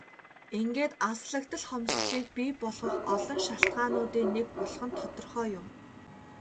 Ингээд алслагдал хомсдолыг бий болгох олон шалтгаануудын нэг болох нь тодорхой юм.